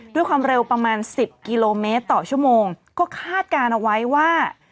ด้วยความเร็วประมาณ๑๐กิโลเมตรต่อชั่วโมงก็คาดการณ์เอาไว้ว่า